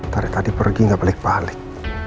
tari tari pergi gak balik balik